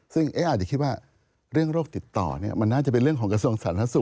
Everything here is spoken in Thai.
ซึ่งอาจจะคิดว่าเรื่องโรคติดต่อมันน่าจะเป็นเรื่องของกระทรวงสาธารณสุข